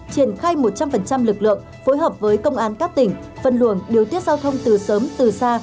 triển khai một trăm linh lực lượng phối hợp với công an các tỉnh phân luồng điều tiết giao thông từ sớm từ xa